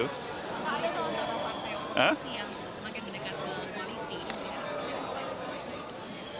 pak ale soal soal pantai oposisi yang semakin mendekat ke polisi